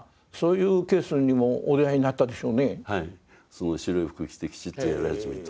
その白い服着てきちっとやり始めた。